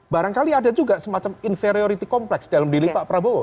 barangkali ada juga semacam inferiority complex dalam diri pak prabowo